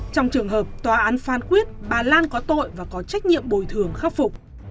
trong trường hợp tòa án phán quyết bà lan có tội và có trách nhiệm bồi thường khắc phục